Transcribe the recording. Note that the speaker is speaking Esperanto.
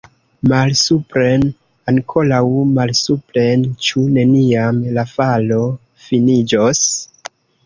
Malsupren, ankoraŭ malsupren! Ĉu neniam la falo finiĝos?